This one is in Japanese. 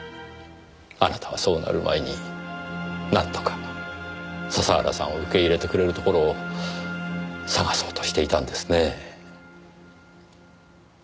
あなたはそうなる前になんとか笹原さんを受け入れてくれるところを探そうとしていたんですね。